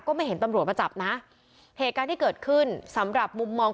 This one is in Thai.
ไม่เห็นตำรวจมาจับนะเหตุการณ์ที่เกิดขึ้นสำหรับมุมมอง